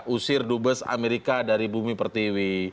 usir dubes amerika dari bumi pertiwi